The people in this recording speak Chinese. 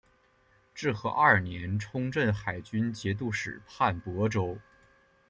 至和二年充镇海军节度使判亳州。